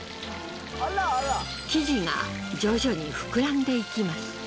生地が徐々に膨らんでいきます。